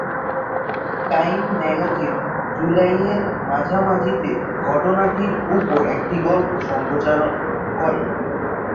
Time magazine জুলাইয়ের মাঝামাঝিতে ঘটনাটির উপর একটি গল্প সম্প্রচার করে।